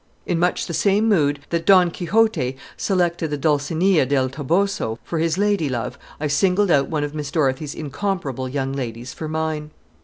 In much the same mood that Don Quixote selected the Dulcinea del Toboso for his lady love, I singled out one of Miss Dorothy's incomparable young ladies for mine.